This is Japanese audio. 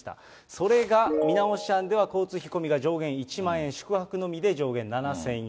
それが見直し案では、交通費込みが上限１万円、宿泊のみで上限７０００円。